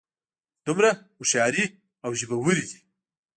دومره هوښیارې او ژبورې دي.